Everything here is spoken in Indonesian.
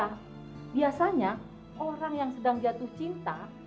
tandanya orang yang sedang jatuh cinta